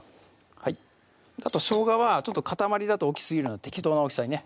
はいしょうがは塊だと大きすぎるので適当な大きさにね